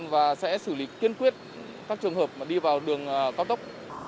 và sẽ xử lý kiên quyết các trường hợp đi vào đường cao tốc